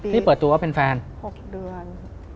นี่เปิดตัวว่าเป็นแฟน๖เดือน